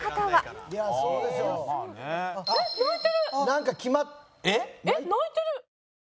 「なんか決まって」